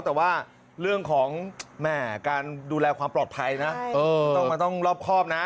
แต่ว่าเรื่องของการดูแลความปลอดภัยนะต้องรอบครอบนะ